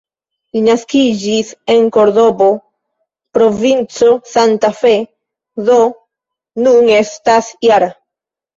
Li naskiĝis en Kordobo, provinco Santa Fe, do nun estas -jara.